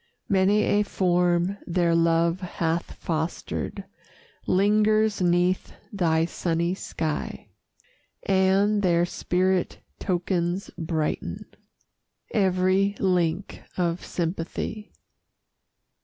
Many a form their love hath fostered Lingers 'neath thy sunny sky, And their spirit tokens brighten Every link of sympathy.